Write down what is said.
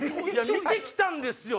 見て来たんですよ！